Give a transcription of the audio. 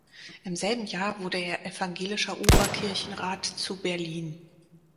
Im selben Jahr wurde er Evangelischer Oberkirchenrat zu Berlin.